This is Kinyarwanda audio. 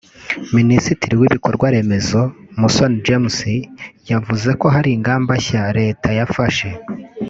Minisitiri w’ibikorwaremezo Musoni James yavuze ko hari ingamba nshya Leta yafashe